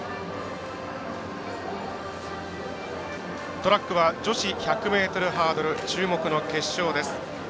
トラックは女子１００ｍハードル注目の決勝です。